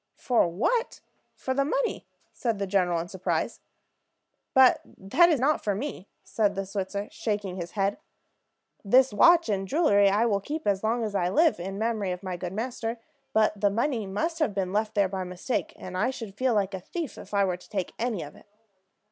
"For what? For the money," said the general, in surprise. "But that is not for me," said the Switzer, shaking his head. "This watch and the jewelry I will keep as long as I live, in memory of my good master; but the money must have been left there by mistake, and I should feel like a thief if I were to take any of it."